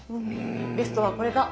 ベストはこれだ。